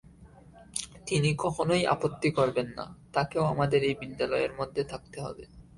তিনি কখনোই আপত্তি করবেন না– তাঁকেও আমাদের এই বিদ্যালয়ের মধ্যে থাকতে হবে।